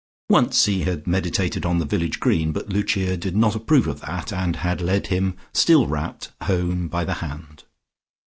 Once he had meditated on the village green, but Lucia did not approve of that and had led him, still rapt, home by the hand.